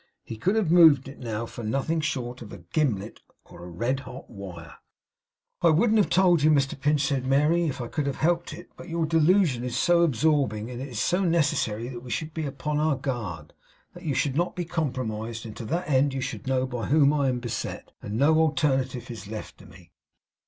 He could have moved it now for nothing short of a gimlet or a red hot wire. 'I wouldn't have told you, Mr Pinch,' said Mary, 'if I could have helped it; but your delusion is so absorbing, and it is so necessary that we should be upon our guard; that you should not be compromised; and to that end that you should know by whom I am beset; that no alternative is left me.